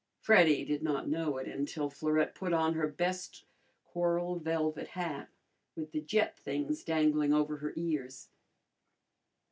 Freddy did not know it until Florette put on her best coral velvet hat with the jet things dangling over her ears.